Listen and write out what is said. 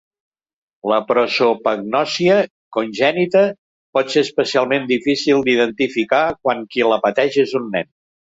La prosopagnòsia congènita pot ser especialment difícil d'identificar quan qui la pateix és un nen.